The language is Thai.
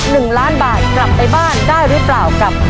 มาลุ้นกันว่าครอบครัวทำได้หรือไม่ได้ครับ